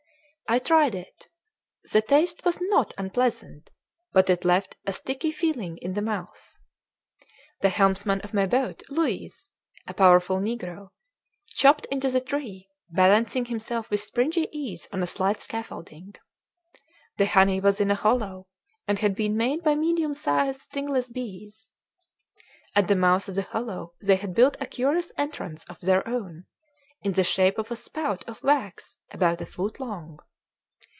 I tried it. The taste was not unpleasant, but it left a sticky feeling in the mouth. The helmsman of my boat, Luiz, a powerful negro, chopped into the tree, balancing himself with springy ease on a slight scaffolding. The honey was in a hollow, and had been made by medium sized stingless bees. At the mouth of the hollow they had built a curious entrance of their own, in the shape of a spout of wax about a foot long.